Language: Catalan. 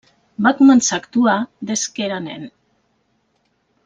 Va començar a actuar des que era nen.